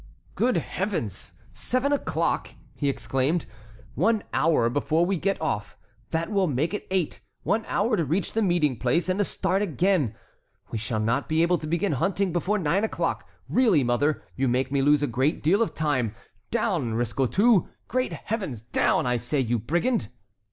"Good heavens! seven o'clock!" he exclaimed, "one hour before we get off, that will make it eight; one hour to reach the meeting place, and to start again—we shall not be able to begin hunting before nine o'clock. Really, mother, you make me lose a great deal of time! Down, Risquetout! great Heavens! down, I say, you brigand!"